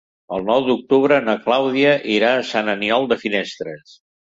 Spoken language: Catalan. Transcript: El nou d'octubre na Clàudia irà a Sant Aniol de Finestres.